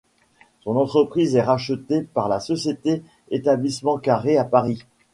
Son entreprise est rachetée par la société Ets Carré à Paris.